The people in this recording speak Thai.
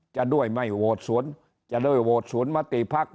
จะด้วยไม่โหวตสวนจะด้วยโหวตสวนมติภักดิ์